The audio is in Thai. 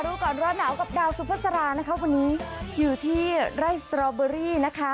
รู้ก่อนร้อนหนาวกับดาวสุภาษารานะคะวันนี้อยู่ที่ไร่สตรอเบอรี่นะคะ